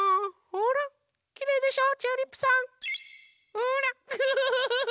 ほらウフフフフ！